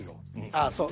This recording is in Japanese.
ああそう。